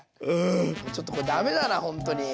ちょっとこれ駄目だなほんとに。